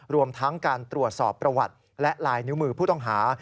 รวมทั้งการตรวจสอบประวัติและลายนิ้วมือผู้ต้องหา